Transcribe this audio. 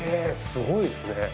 すごいっすね。